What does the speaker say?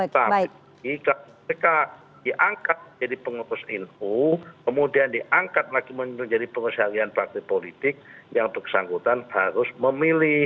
tapi mereka diangkat jadi pengurus nu kemudian diangkat lagi menjadi pengurus harian partai politik yang berkesanggutan harus memilih